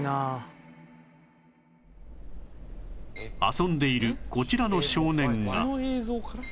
遊んでいるこちらの少年が